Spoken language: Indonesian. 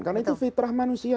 karena itu fitrah manusia kan